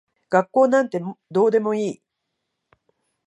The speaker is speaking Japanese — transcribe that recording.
学校なんてどうでもいい。